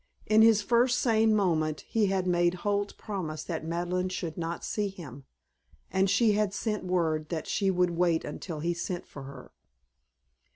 In his first sane moment he had made Holt promise that Madeleine should not see him, and she had sent word that she would wait until he sent for her.